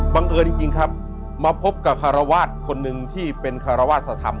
เอิญจริงครับมาพบกับคารวาสคนหนึ่งที่เป็นคารวาสธรรม